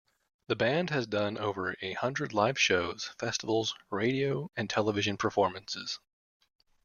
The band has done over a hundred live shows, festivals, radio and television performances.